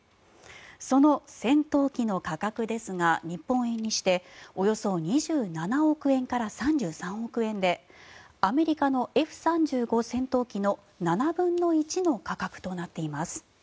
その戦闘機の価格ですが日本円にしておよそ２７億円から３３億円でアメリカのＦ３５戦闘機の７分の１の価格となっています。